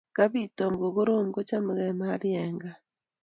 kapit tom kokorom kachemgei maria egn kaa